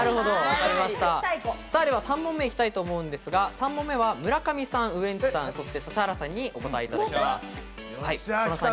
それでは３問目、いきたいと思うんですが、３問目は村上さん、ウエンツさん、指原さんにお答えいただきます。